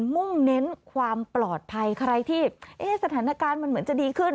มุ่งเน้นความปลอดภัยใครที่สถานการณ์มันเหมือนจะดีขึ้น